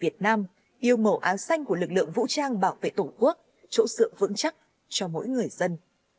trang bảo vệ tổ quốc chỗ sự vững chắc cho mỗi người dân